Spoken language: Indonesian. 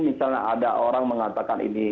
misalnya ada orang mengatakan ini